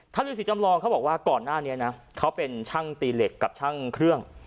ฤษีจำลองเขาบอกว่าก่อนหน้านี้นะเขาเป็นช่างตีเหล็กกับช่างเครื่อง